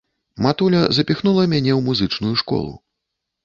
Матуля запіхнула мяне ў музычную школу.